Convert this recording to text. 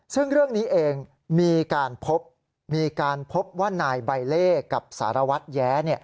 ซึ่งเรื่องนี้เองมีการพบมีการพบว่านายใบเล่กับสารวัตรแย้